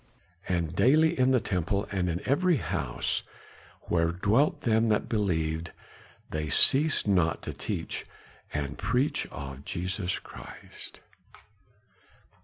And daily in the temple and in every house where dwelt them that believed, they ceased not to teach and preach Jesus Christ.